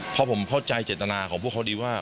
เพราะผมเข้าใจเจรตนาของคนดีว่า